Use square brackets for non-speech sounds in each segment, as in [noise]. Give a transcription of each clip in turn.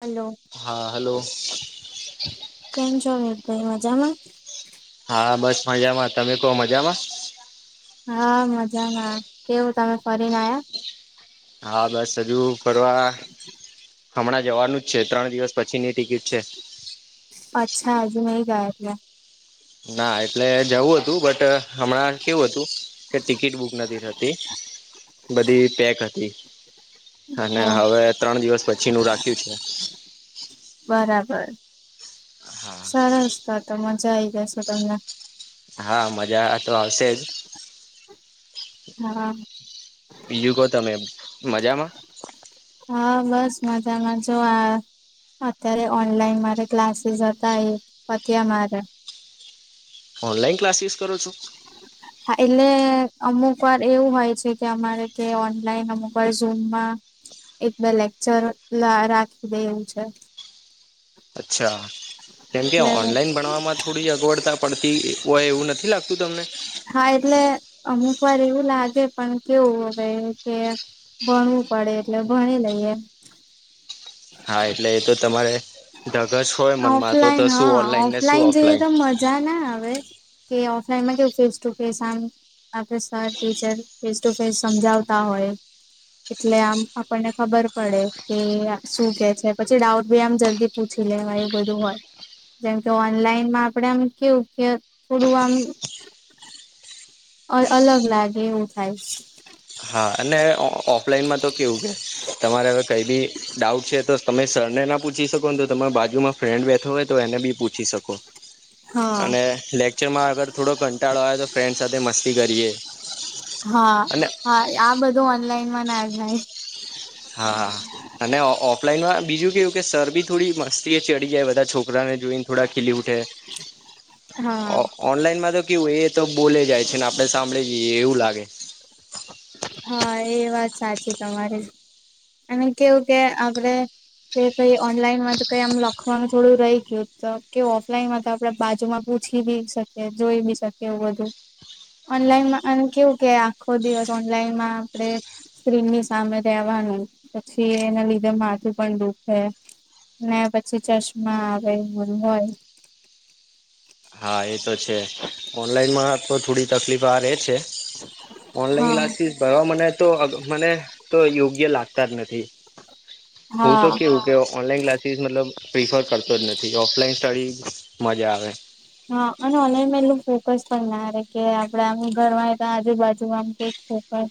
Hello હા hello કેમ છો કઈ મજામાં--. હા બસ મજામાં તમે કો મજામાં હા, મજા મા કેવું તમે ફરીને આયા હા બસ હજુ ફ હમણાં જવાનું જ છે ત્રણ દિવસ પછીની ટિકિટ છે અચ્છા હજુ મે ગાયા તયા. ના એટલે જવું હતું બટ હમણાં કેવું હતું કે ટિકિટ બુક નથી થતી. બધી પેક હતી. અને હો હવે ત્રણ દિવસ પછી નું રાખ્યું છે. બ સારા રસ્તા તો મજા આઈ જશે તમને. હા મજા તો આવશે જ. હા બીજુ કોહ તમે મજામાં. હા બસ મજામા જો આ. અત્યારે ઓનલાઈન મારે ક્લાસીસ હતા એ પત્યા મારે. ઓનલાઈન ક્લાસીસ કરો છો. હા એટલે અમુક વાર એવું હોય છે કે અમારે કે ઓનલાઈન અમુક વાર ઝૂમમાં. એટલે લેક્ચર લ રાખી દે એવું છે. અચ્છા. કેમકે એટલે ઓનલાઈન ભણવાવામાં થોડી અગવડતા પડતી હોય એવું નથી લાગતું તમને. એક વાર એવું લાગે પણ કેવું હવે કે. ભણવું પડે એટલે ભણી લઈએ. હા એટલે એ તો તમારે. ધગશ હોય મનમાં તો તો ઓફલાઈન શું હા ઓનલાઈન ને શું ઓફલાઈન જેવી તો મજા ના આવે. કે ઓફલાઈનમાં કેવું ફેસ ટુ ફેસ આમ. આપે sir teacher face to face સમજાવતા હોય. એટલે આમ આપણને ખબર પડે કે શું કે છે પછી ડાઉટ ભી આમ જ તે પૂછી લેવાય એ બધું હોય. જેમ કે ઓનલાઈનમાં આપડે આમ કેવું કે થોડું આમ. અ અલગ લાગે એવું થાય. હા અને ઓફલાઈનમાં તો કેવું કે તમારે હવે કઈ બી ડાઉટ છે તો તમે સર. એને ના પૂછી શકો તો તમારા બાજુમાં ફ્રેન્ડ બેઠતો હોય તો એને બી પૂછી શકો. હા અને લેક્ચરમાં અગર થોડો કંટાળો હોય તો ફ્રેન્ડ સાથે મસ્તી કરીયએ. હા હા આ બધું ઓનલાઈનમાં ના જાય. હા હા અને ઓ. ઓફલાઈનમાં બીજું કેવું કે સર બી થોડી મસ્તીએ ચડી જાય બધા છોકરાને જોઈને થોડા ખીલી ઉ. [unintelligible] હા ઓન ઓનલાઇનમાં તો. કેવુંય એ તો બોલે જાય છે ને આપડે સાંભળી જઈએ એવું લાગે. હા એ વાત સાચી તમારે અને કેવું કે આપડે કે કઈ ઓનલાઈન માં તો કઈ આમ લખવાનું થોડું રહી ગયું કે ઓફલાઈનમાં તો આપડે બાજુમાં પૂછી બી શકે જોઈ બી શકે એવ બધું ઓનલાઈનમાં અને કેવું કે આખો દિવસ ઓનલાઈનમાં આપેડે સ્ક્રીનની સામે રેવાનું પછી એના લીધે માથું પણ દુઃખ ને પછી ચશ્મા આવે એવ હોય હા એ તો છે ઓનલાઈનમાં તો થોડી તકલીફ આ રે છે. ઓનલાઈન હા ક્લાસીસ ભરવા મને તો મને તો યોગ્ય લાગતા જ નથી હું તો હા કેવું કે ઓનલાઈન ક્લાસીસ મતલબ પ્રિફર કરતો જ નથી ઓફલાઈન સ્ટડી મજા આવે. હા અને આનંદ મેલો [unintelligible] પણ નારે કે આપડે [unintelligible] આમ ઘરવાય તો આજુબાજુ આમ કઈકકરે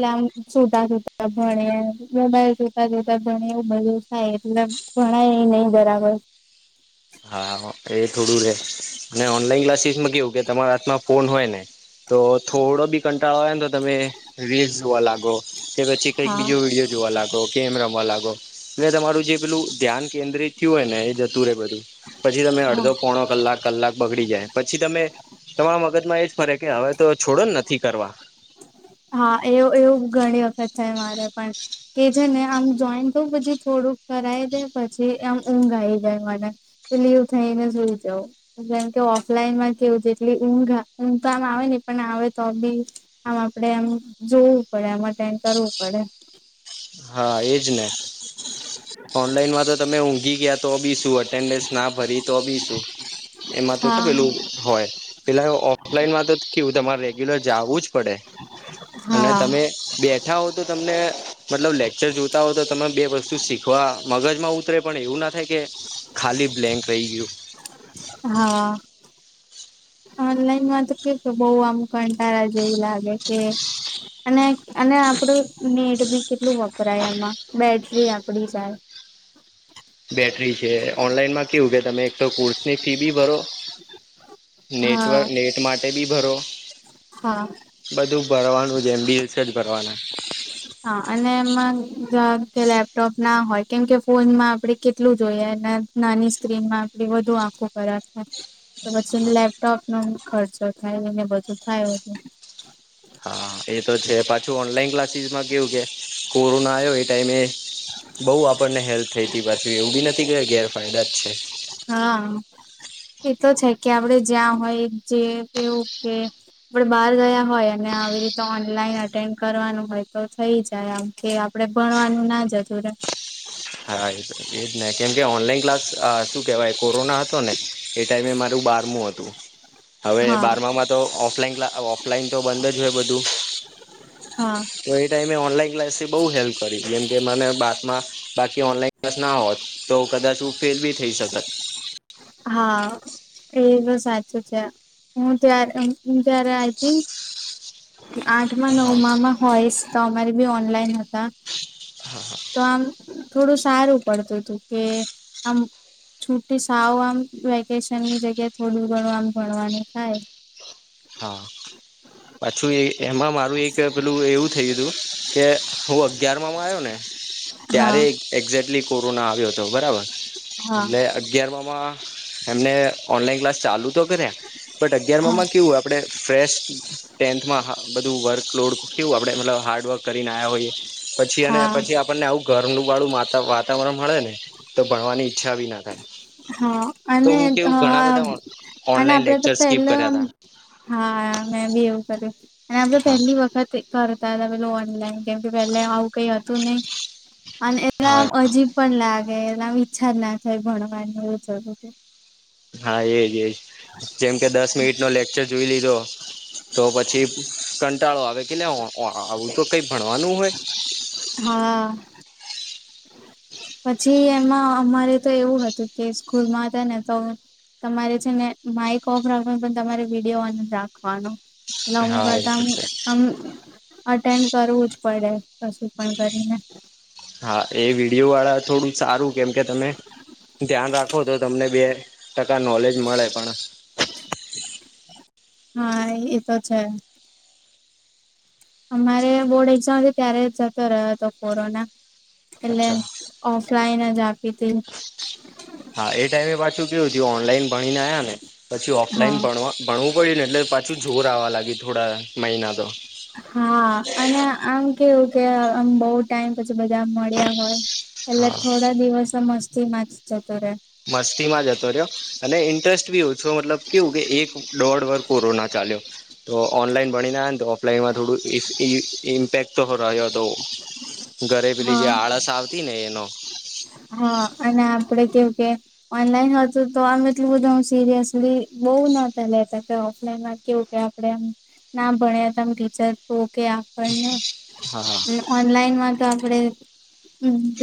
લે આમ સૂતા સૂતા ભણે બ મોબાઇલ જોતા જોતા ભણે એવું બધું થાય એટલે, ભણાય એ નહી બરાબર! હા એ થોડું રે અને ઓનલાઈન ક્લાસીસમાં કેવું કે તમારા હાથમાં ફોન હોય ને તો થોડો બી, કંટાળો આવેન તો તમે રીલ્સ જોવા લાગો, કે પછી કઈક હા બીજો વિડીયો જોવા લાગો, ગેમ રમવા લાગો. તે તમારું જે પેલું ધ્યાન કેન્દ્રિત થયું હોય ને એ જતું રે બધું. પછી તમે હા અડધો પોણો કલાક કલાક બગડી જાય પછી તમે તમારા મગજમાં એજ ફરે કે હવે, એવા છોડ જ નથી. કરવા હા એવુ એવું ઘણી વખત થાય મારે પણ કે છે ને આમ જોઈન થવ પછી થોડુંક કરાય દે પછી આમ ઊંઘ આવી જાય મને તો લીવ થઈને સુઈ જવ જેમ કે ઓફલાઈનમાં કેવું જેટલી ઊંઘ ઊંઘ તો આમ આવે ને પણ આવે તો બી આમ આપડે એમ જોવું પડે એમ અટેન્ડ કરવું પડે. હા એજ ને ઓનલાઈનમાં તો તમે ઊંઘી ગયા તો બી શું અટેન્ડન્સ ના ભરી તો બી શું. એમાં તો પેલું હા હોય પેલા ઓફલાઈનમાં તો કેવું તમારે રેગ્યુલર જાગવું જ પડે. અને હા તમે બેઠા હો તો તમને મતલબ લેક્ચર જોતા હોય તો તમે બે વસ્તુ શીખવા મગજ માં ઉતરે પણ એવું ના થાય કે ખાલી બ્લેન્ક રહી ગયું. હા ઓનલાઈનમાં તો કે બહ આમ કંટાળા જેવું લાગે કે અને અને આપડું નેટ બી કેટલું વપરાય એમાં બેટરી આપડી જાય. બેટરી છે ઓનલાઈનમાં કેવું કે તમે એક તો ની ફી બી ભરો, હા નેટવર્ક નેટ માટે બી ભરો હા. ભણવાનું [unintelligible] હા અને એમાં જ લેપટોપ ના હોય કેમ કે ફોનમાં આપડે કેટલું જોઈએ નાની સ્ક્રીનમાં આપે વધુ આખું ખરા તો પછી લેપટોપ નો ખર્ચો થાયને બધું થાયું એટ હા એ તો છે પાછું ઓનલાઈન ક્લાસીસમાં કેવું કે કોરોના આવ્યો એ ટાઈમે બઉ આપણને હેલ્પ થઈ ત પાછી એવું બી નથી કે ગેરફાયદા જ છે. હા એતો છે કે આપડે જ્યાં હોય જે એવું કે આપડે બહાર ગયા હોય અને આવી રીતે ઓનલાઈન અટેન્ડ કરવાનું હોય તો થઈ જાય આમ કે આપડે ભણવાનું ના જતું રે. હા એ એજ ને કેમ કે ઓનલાઈન ક્લાસ શું કેવાય કોરોના હતો ને એ ટાઈમે મારું બારમું હતું. હવે હા બારમામાં તો ઓફલાઈન ક ઓફલાઈન તો બંધ જ હોય બધું. હા તો એ ટાઈમે ઓનલાઈન ક્લાસ બઉ હેલ્પ કરી હતી. જેમ કે મને બારમાં બાકી ઓનલાઈન ક્લાસ ના હોત તો કદાચ હુ ફેલ ભી થઈ શકત. હા. એ તો સાચું છે હું ત્યારે હું ત્યારે આઈ થિન્ક આઠમાં હા નવમાંમાં હોયસ તો અમારે બી ઓનલાઈન હતા. તો આમ થોડું સારું પડતું તું કે આમ છુ્ટી સાવ આમ વેકેશનની જગ્યા થોડું ઘણું આમ ભણવાનું થાય. હા, પાછું એ એમાં મારું એક પેલું એવું થયેલું તું કે હું અગયારમા માં આવ્યો ને હા ત્યારે એક્ઝે્ટ એટલી કોરોના આવ્યો હતો, બરાબર? હા એટલે અગારમા મા એમને ઓનલાઈન ક્લાસ ચાલુ તો કર્યા બટ અગિયાર માંમાં કેવું આપણે ફ્રેશ ટેન્થમાં બધું વર્ક લોડ કેવું આપડે હાર્ડવર્ક કરીને આયા હોઈએ પછી અને હા પછી આપણને આવું ઘરનું વાળું વાતાવરણ મળે ને તો ભણવાની ઈચ્છા બી ના થાય. હા તો અને હું અ કેવું ઘણા બધા ઓનલાઈન આપડે તો લેક્ચર સ્કીપ પેલા કર્યા હતા હા મેં બી એવું કર્યું અને આપડ હા પહેલી વખત કરતા હતા. પેલુ ઓનલાઈન. કેમ કે પેલે આવું કઈ હતું નઈ અને એલા આમ હા અજીબ પણ લા ગે એના વિચછાર ના થાય ભણવાનું એવું થતું તું. હા એજ એજ, જેમ કે દસ મિનિટ નો લેક્ચર જોઈ લીધો તો પછી કંટાળો આવે કે આવું તો કઈ ભણવાનું હોય. હા પછી એમાં અમારે તો એવું હતું કે સ્કૂલમાં હતા ને તો તમારે છે ને માઈક ઓફ રાખવા પણ તમારે વિડીયો ઓન રાખવાનો. નમું હા એ કરતામ છે આમ અટેમ કરવું જ પડે. કશું પણ કરીને હા એ વિડીયો વાળા. થોડું સારું કેમકે તમે ધ્યાન રાખો તો તમને બે. ટકા નોલેજ મળે પણ. હા એ તો છે. અમારે બોર્ડ એક્ઝામ હતી ત્યારે જતો રહ્યો હતો કોરોના. એટલે અચ્છા ઓફલાઈન જ આપી તી. હા એ ટાઈમે પાછું કેવુ થ્યું ઓનલાઈન ભણીને આયા ને. પછી હા ઓફલાઈન ભણવા ભણવું પડ્યું ને એટલે પાછું જોર આવવા લાગ્યું થોડા મહિનાતો. હા અને આમ કેવું કે આમ બહુ ટાઈમ પછી બધા મળ્યા હોય એટલે હા થોડા દિવસ મસ્તી માજ જતો રે મસ્તીમાં જતો રહ્યો અને ઇન્ટરેસ્ટ બી મતલબ કેવું કે એક દોઢ વર કોરોના ચાલ્યો. તો ઓનલાઈન ભણીને ને તો ઓફલાઈનમાં થોડુંઇ ઇમ્પેક્ટ તો રહ્યો હતો ઘરે પેલી જે હા આળસ આવતીને એનો હા અને. આપડે કેવું કે ઓનલાઈન હતુંતો આમ એટલું બધું આમ સિરિયસલી બવ નતા લેતા. ઓફલાઇનમાં કેવું કે આપણે ના ભણીએ તો ટીચર તોકે આપણને.. હા હા, ઓનલાઈનમાં તો આપણેે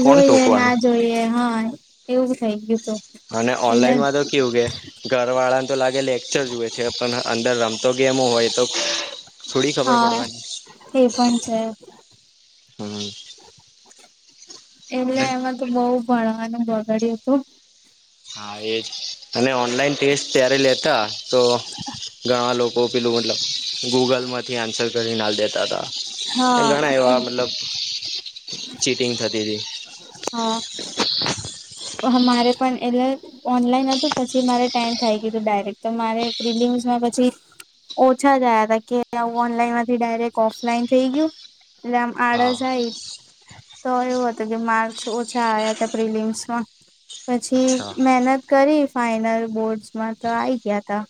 કોણ જોઈએ. ટોકવાનું જોઈએ હા એવુંજ થઈ ગયું. તું અને એટલે ઓનલાઈનમાં તો કેવું કે ઘર વાળાને તો લાગે લેક્ચર જોવે છે પણ અંદર રમતો ગ. ગેમો હોય તો થોડી ખબર હા પડવાની. એ પણ છે હમ. એટલે એમાં તો બવ ભણવાનું બગડ્યું હતું. હા એજ. અને ઓનલાઈન ટેસ્ટ ત્યારે લેતા તો ઘણા લોકો પેલું. ગૂગલમાંથી આન્સર કરી ને આલ દેતા. હા ઘણા એવા મતલબ ચીટિંગ થતી હતી. હા. મારે પણ એટલે ઓનલાઈન હતું પછી મારે ટાઈમ થઈ ગયું ડાયરેક્ટ તો મારે પ્રિલિમ્સ. પછી ઓછા જયા હતા કે હું ઓનલાઈનમાંથી ડાયરેક્ટ ઓફલાઈન થઈ ગયું. [unintelligible] આમ હા આળસ આઈ. તો એવું હતું કે માર્કસ ઓછા આવ્યા હતા પ્રિલિમ્સમાં. પછી અચ્છા મહેનત કરી ફાઈનલ બોર્ડસમાં તો આઈ ગ્યા તા.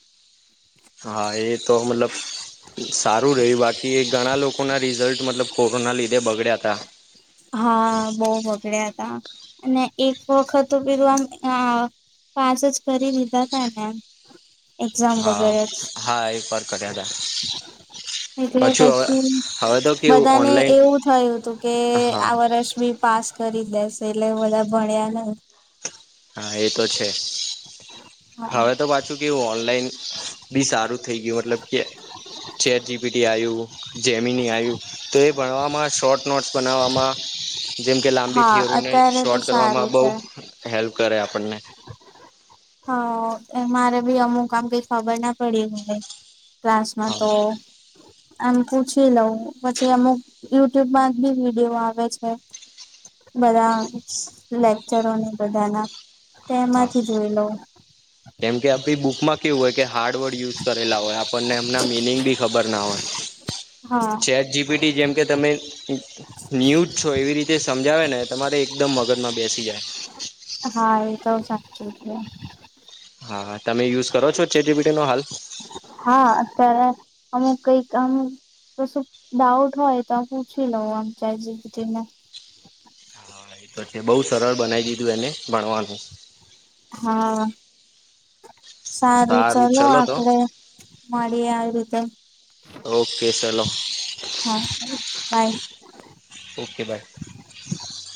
હા એ તો મતલબ સારું રહ્યું બાકી એ ઘણા લોકોના રિઝલ્ટ મતલબ. કોરોના લીધે બગડ્યા હતા. હા બોવ બગડ્યા હતા અને એક વખત તો પેલું આમ આ પાસ જ કરી લીધા તા [unintelligible] હા વગેરે જ હા એ [inaudible] કર્યા તા. એટલે પછી કેવું બધાને ઓનલાઈન એવું થયું તું કે હા આ વર્ષ બી પાસ કરી દેશે એટલે બધા ભણ્યા નઈ. હા એ તો છે હા હવે તો પાછું કેવું ઓનલાઈન બી સારું થઈ ગયું મતલબ કે ચેટ જીપીટી આયવું જેમીની આયવું તો એ ભણવામાં શોર્ટ ન બનાવામાં જેમ કે લાંબી હા થીયરીને અત્યારે તો શોર્ટ સારું કરવામાં બહુ છે. હેલ્પ કરે આપણને. હ અ મારે ભી અમુક આમ કઈ ખબર ના પડી હવે. ક્લાસમાં હા તો. આમ પૂછી લઉં પછી અમુક યુટ્યુબમાં બી વિડીયો આવે છે. બધા [inaudible] લેકચરોને બધાના હા તેમાંથી જોઈ લઉ. કેમ કે આપડી બુક માં કેવું હોય કે હાર્ડ વર્ડ યુઝ કરેલા હોય આપણને એમના મિનિંગ બી ખબર ના હોય. હા. ચેટ જીપીટી જેમ કે તમે અ ન્યૂજ છો એવી રીતે સમજાવે ને તમારે એકદમ મગજમાં બેસી જાય. હા એ [inaudible] હા હા તમે યુઝ કરો છો ચેટજીપીટી નો હાલ? હા, અત્યારે અમુક કઈક આમ તો શું ડાઉટ હોય તો પૂછી લવ આમ ચેટ જીપીટીને પછી બઉ સરળ બનાઇ દીધું એને ભણવાનું. હા. સારું, ચલો આપડે મળીએ આવી રીતે. ઓકે સલો. હા બાય ઓકે બાય.